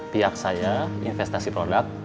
pihak saya investasi produk